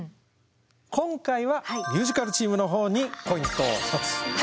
今回はミュージカルチームの方にポイントを１つ差し上げましょう。